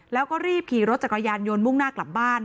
แล้วก็รีบขี่รถจักรยานยนต์มุ่งหน้ากลับบ้าน